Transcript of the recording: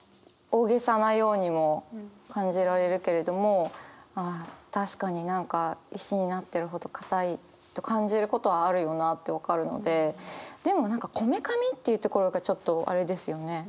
大げさなようにも感じられるけれども確かに何か石になってるほどかたいって感じることはあるよなって分かるのででも何かこめかみっていうところがちょっとあれですよね。